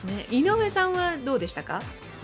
井上さんはどうでしたか？